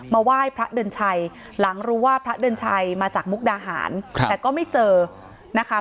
ไหว้พระเดือนชัยหลังรู้ว่าพระเดือนชัยมาจากมุกดาหารแต่ก็ไม่เจอนะคะ